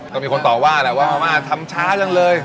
ก็มีคนต่อว่าแหละว่าทำช้าจังเลย